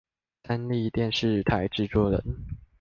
三立電視台製作人